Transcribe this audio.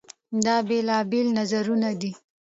دا بېلابېل نظرونه دي.